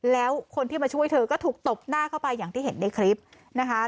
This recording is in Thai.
แล้วคนที่มาช่วยเธอก็ถูกตบหน้าเข้าไปอย่างที่เห็นในคลิปนะคะ